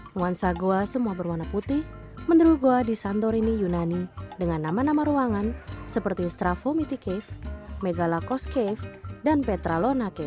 nuansa goa semua berwarna putih menurut goa di santorini yunani dengan nama nama ruangan seperti strafomiticave megalakos cave dan petralona cake